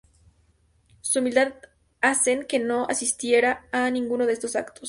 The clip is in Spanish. Su humildad hacen que no asistiera a ninguno de estos actos.